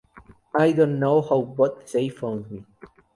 I Don't Know How But They Found Me